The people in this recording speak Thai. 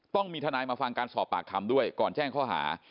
ต้องมีทนายมาฟังการสอบปากคำด้วยก่อนแจ้งข้อหา